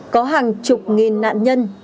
có hàng chục nghìn nạn nhân